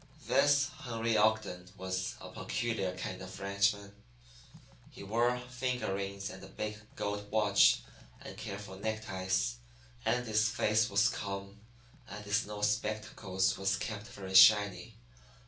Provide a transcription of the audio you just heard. "This Henry Ogden was a peculiar kind of ranchman. He wore finger rings and a big gold watch and careful neckties. And his face was calm, and his nose spectacles was kept very shiny.